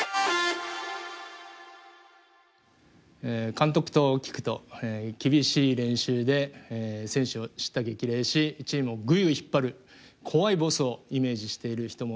監督と聞くと厳しい練習で選手を叱咤激励しチームをぐいぐい引っ張る怖いボスをイメージしている人もいると思います。